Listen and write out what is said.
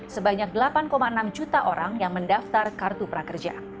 sebanyak delapan enam juta orang yang mendaftar kartu prakerja